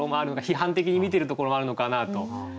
批判的に見てるところもあるのかなと。